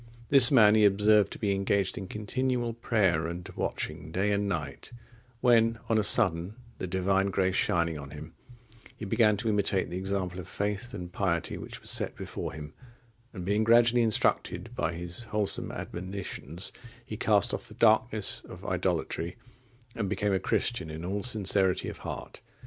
This man he observed to be engaged in continual prayer and watching day and night; when on a sudden the Divine grace shining on him, he began to imitate the example of faith and piety which was set before him, and being gradually instructed by his wholesome admonitions, he cast off the darkness of idolatry, and became a Christian in all sincerity of heart.